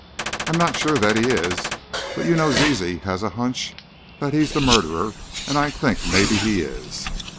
"I'm not sure that he is; but you know Zizi has a hunch that he's the murderer, and I think maybe he is.